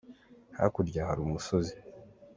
hakurya hari umusozi.